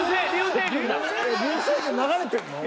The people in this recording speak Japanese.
「流星群」流れてるの？